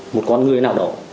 một con người nào đó